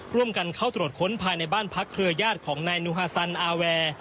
ร่วมกันเข้าตรวจค้นภายในบ้านพักเวลายาดของนายนุฮศัลอาวแว